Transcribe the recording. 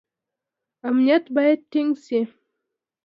امنیت باید ټینګ شي